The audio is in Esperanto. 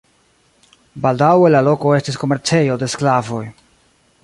Baldaŭe la loko estis komercejo de sklavoj.